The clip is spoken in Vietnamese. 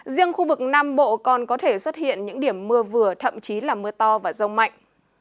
riêng khu vực nam bộ còn có thể xuất hiện những điểm mưa vừa thậm chí là mưa to và rông mạnh